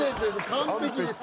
完璧です。